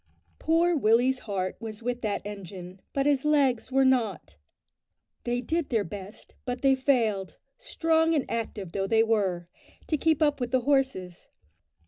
Poor Willie's heart was with that engine, but his legs were not. They did their best, but they failed, strong and active though they were, to keep up with the horses.